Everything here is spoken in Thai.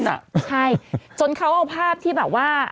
ใช่จนเขาจะพาบที่แบบว่า